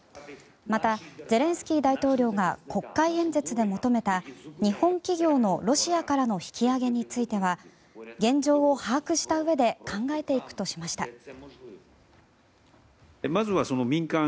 また、ゼレンスキー大統領が国会演説で求めた日本企業のロシアからの引き揚げについては現状を把握したうえで考えていくとしました。